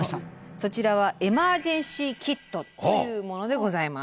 そちらはエマージェンシーキットというものでございます。